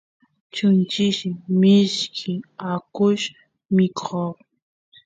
chunchilli mishki akush mikoq